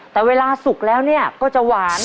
แต่เวลาสุกแล้วเนี่ยก็จะหวาน